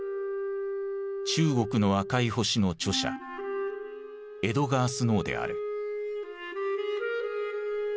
「中国の赤い星」の著者エドガー・スノーである。